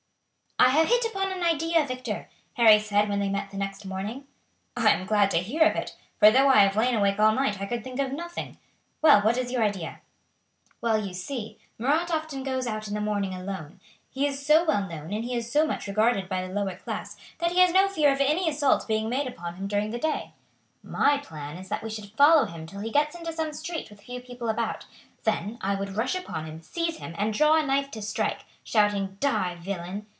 "I have hit upon an idea, Victor," Harry said when they met the next morning. "I am glad to hear it, for though I have lain awake all night I could think of nothing. Well, what is your idea?" "Well, you see, Marat often goes out in the morning alone. He is so well known and he is so much regarded by the lower class that he has no fear of any assault being made upon him during the day. "My plan is that we should follow him till he gets into some street with few people about. Then I would rush upon him, seize him, and draw a knife to strike, shouting, 'Die, villain!'